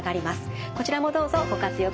こちらもどうぞご活用ください。